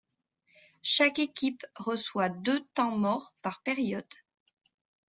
Chaque équipe reçoit deux temps-morts par période.